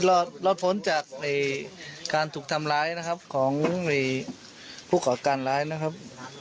รอดพ้นจากการถูกทำร้ายนะครับของผู้ก่อการร้ายนะครับ